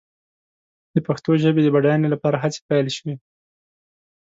د پښتو ژبې د بډاینې لپاره هڅې پيل شوې.